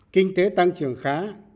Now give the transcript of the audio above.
kinh tế tăng trưởng khá